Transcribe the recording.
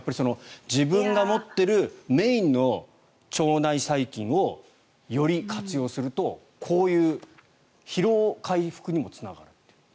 自分が持っているメインの腸内細菌をより活用するとこういう疲労回復にもつながってくると。